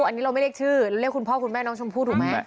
อันนี้เราไม่เรียกชื่อเรียกคุณพ่อคุณแม่น้องชมพู่ถูกไหม